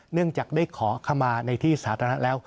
เนื่องจากได้ขอขมาในที่สาธารณะแล้ว